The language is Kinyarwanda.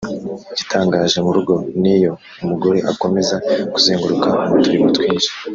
Igitangaje mu rugo n’iyo umugore akomeza kuzenguruka mu turimo twinshi